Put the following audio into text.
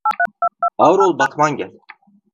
Ağır ol batman gel.